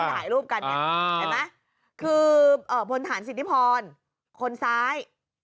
ถ่ายรูปกันเนี่ยเห็นไหมคือพลฐานสิทธิพรคนซ้าย